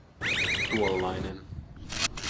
Tuollainen.